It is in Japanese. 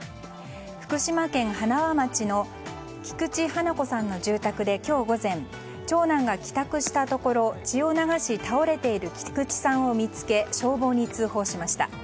福島県塙町の菊池ハナ子さんの住宅で今日午前、長男が帰宅したところ血を流し倒れている菊池さんを見つけ消防に通報しました。